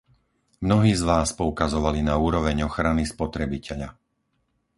Mnohí z vás poukazovali na úroveň ochrany spotrebiteľa.